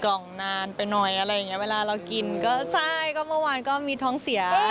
ก็เมื่อวานก็มีท้องเสีย